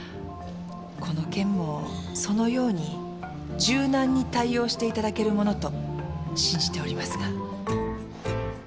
この件もそのように柔軟に対応していただけるものと信じておりますが。